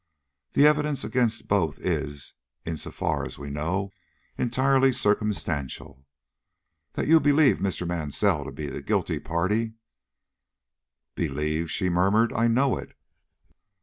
The evidence against both is, in so far as we know, entirely circumstantial. That you believe Mr. Mansell to be the guilty party " "Believe!" she murmured; "I know it."